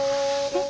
え？